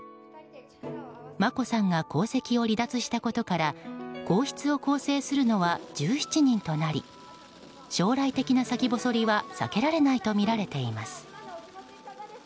眞子さんが皇籍を離脱したことから皇室を構成するのは１７人となり将来的な先細りは避けられないとみられています。